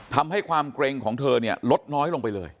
ทำให้ความเกร็งของเธอเนี่ยลดน้อยลงไปเลย